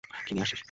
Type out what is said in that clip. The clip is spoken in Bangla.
কী নিয়ে আসছিস?